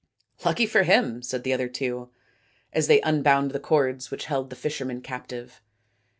" Lucky for him," said the other two, as they unbound the cords which held the fisherman captive.